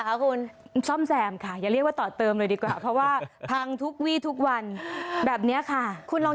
ฮัลโหลฮัลโหลฮัลโหลฮัลโหลฮัลโหลฮัลโหลฮัลโหล